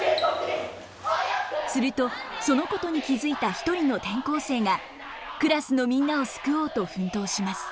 するとそのことに気付いた一人の転校生がクラスのみんなを救おうと奮闘します。